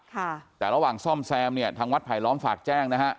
ค่ะแต่ระหว่างซ่อมแซมเนี่ยทางวัดไผลล้อมฝากแจ้งนะฮะ